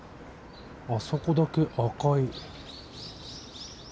あそこだけ赤い。